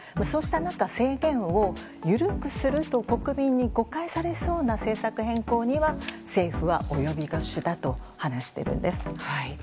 そうした中制限を緩くすると国民に誤解されそうな政策変更には政府は及び腰だと話しているんです。